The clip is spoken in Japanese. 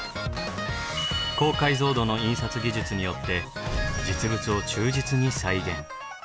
高解像度の印刷技術によって実物を忠実に再現。